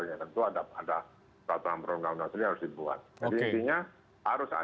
itu ada peraturan perangga undang undang sendiri yang harus dibuat